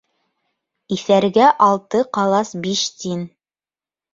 Иҫәргә алты ҡалас биш тин.